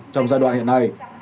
trong giai đoạn hiện nay